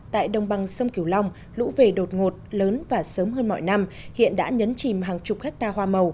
tại đồng bằng sông kiều long lũ về đột ngột lớn và sớm hơn mọi năm hiện đã nhấn chìm hàng chục hectare hoa màu